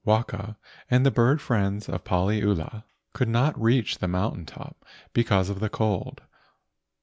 Waka and the bird friends of Paliula could not reach the mountain top because of the cold.